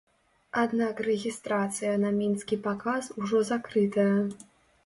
Аднак рэгістрацыя на мінскі паказ ужо закрытая.